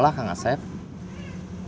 saat kita apa dipikir